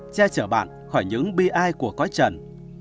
che chở bạn khỏi những bi ai của có trần